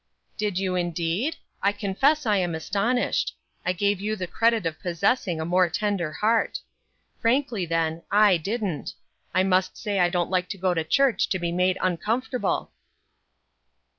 "Did you, indeed? I confess I am astonished. I gave you the credit of possessing a more tender heart. Frankly, then, I didn't. I must say I don't like to go to church to be made uncomfortable."